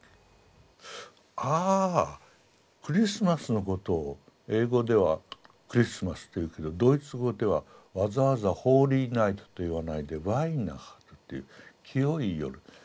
あクリスマスのことを英語ではクリスマスと言うけどドイツ語ではわざわざホーリーナイトと言わないで「ヴァイナハテン」という「清い夜」。